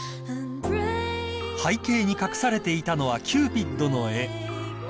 ［背景に隠されていたのはキューピッドの絵］